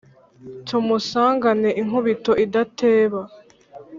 tumusangane inkubito idateba